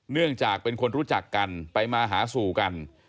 เนื่องจากเป็นคนรู้จักกันไปมาหาสู่กัน